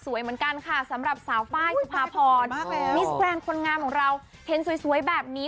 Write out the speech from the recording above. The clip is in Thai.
เหมือนกันค่ะสำหรับสาวป้ายสุภาพรมิสแกรนด์คนงามของเราเห็นสวยแบบนี้